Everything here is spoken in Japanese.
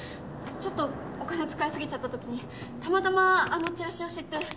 ちょっとお金使い過ぎちゃったときにたまたまあのチラシを知って。